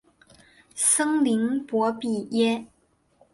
森林博比耶。